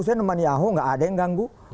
saya nemeni ahok gak ada yang ganggu